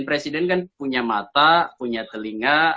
presiden kan punya mata punya telinga